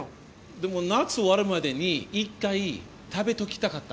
でも夏終わるまでに１回食べときたかった。